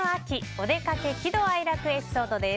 おでかけ喜怒哀楽エピソードです。